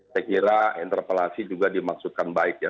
saya kira interpelasi juga dimaksudkan baik ya